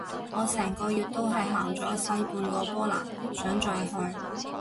我成個月都係行咗細半個波蘭，想再去